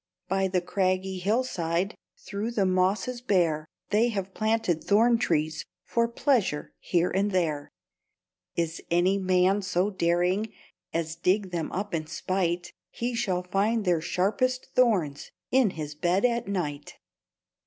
By the craggy hill side, Through the mosses bare, They have planted thorn trees For pleasure here and there. Is any man so daring As dig them up in spite, He shall find their sharpest thorns In his bed at night.